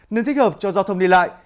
nên thích hợp cho giao thông đi lại